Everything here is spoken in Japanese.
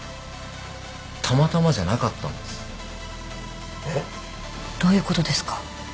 たまたまじゃなかったんです。えっ？どういうことですか？